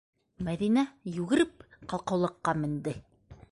Мәҙинә, йүгереп, ҡалҡыулыҡҡа менде.